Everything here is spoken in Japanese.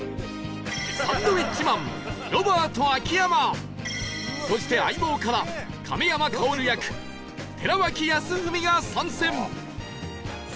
サンドウィッチマンロバート秋山そして『相棒』から亀山薫役寺脇康文が参戦！